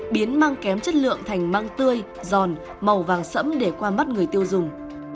biến mang kém chất lượng thành măng tươi giòn màu vàng sẫm để qua mắt người tiêu dùng